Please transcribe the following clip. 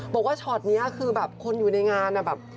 บอกว่าช็อตนี้คือแบบคนอยู่ในงานแบบ